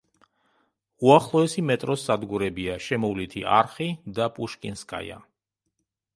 უახლოესი მეტროს სადგურებია „შემოვლითი არხი“ და „პუშკინსკაია“.